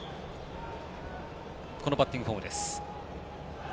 このバッティングフォームです。